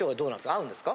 合うんですか？